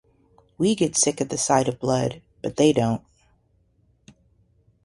We get sick at the sight of blood, but they don't.